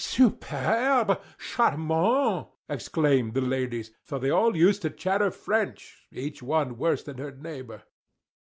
"Superbe! Charmant!" exclaimed the ladies; for they all used to chatter French, each one worse than her neighbor.